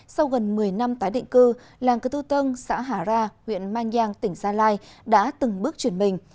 sau gần một mươi năm tái định cư làng cơ tu tân xã hà ra huyện mang giang tỉnh gia lai đã từng bước chuyển mình